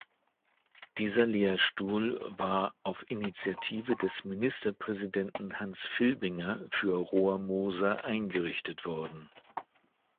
Dieser Lehrstuhl war auf Initiative des Ministerpräsidenten Hans Filbinger für Rohrmoser eingerichtet worden.